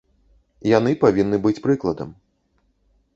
Яны павінны быць прыкладам.